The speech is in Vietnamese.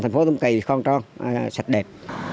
thành phố tông kỳ con tròn sạch đẹp